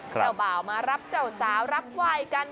เจ้าบ่าวมารับเจ้าสาวรับไหว้กัน